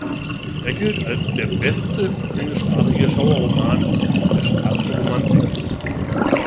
Er gilt als "„der beste englischsprachige Schauerroman“" der Schwarzen Romantik.